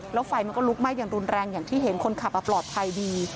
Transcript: แล้วไฟมันก็ลุกไหม้อย่างรุนแรงอย่างที่เห็นคนขับปลอดภัยดี